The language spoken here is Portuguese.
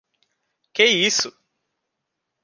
Que isso!